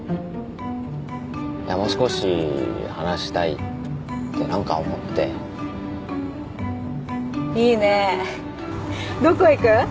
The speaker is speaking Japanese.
もう少し話したいってなんか思っていいねどこ行く？